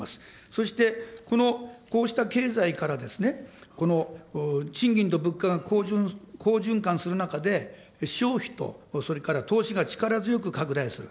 そして、こうした経済からこの賃金と物価が好循環する中で、消費とそれからが力強く拡大する。